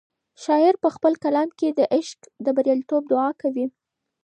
شاعر په خپل کلام کې د عشق د بریالیتوب دعا کوي.